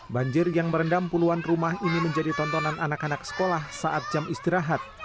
banjir yang merendam puluhan rumah ini menjadi tontonan anak anak sekolah saat jam istirahat